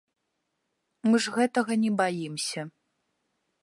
Мы ж гэтага не баімся.